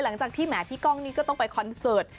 หลังจากที่แหมพี่ก้องนี่ก็ต้องไปคอนเสิร์ต